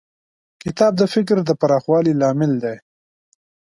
کتاب د فکر د پراخوالي لامل دی.